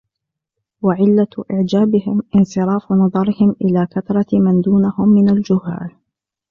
وَعِلَّةُ إعْجَابِهِمْ انْصِرَافُ نَظَرِهِمْ إلَى كَثْرَةِ مَنْ دُونَهُمْ مِنْ الْجُهَّالِ